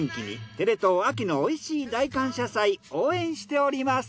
テレ東秋のおいしい大感謝祭応援しております。